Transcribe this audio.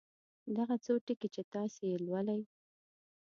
دغه څو ټکي چې تاسې یې لولئ.